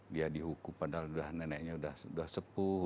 dia dihukum padahal neneknya sudah sepuh